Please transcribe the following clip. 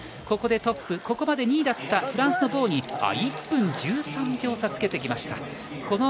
ここで、トップここまで２位だったフランスのボーに１分１３秒差をつけてきました。